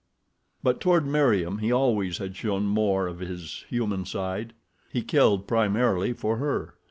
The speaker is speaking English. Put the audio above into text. But toward Meriem he always had shown more of his human side. He killed primarily for her.